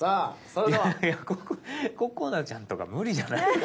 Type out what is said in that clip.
いやいやここなちゃんとか無理じゃない？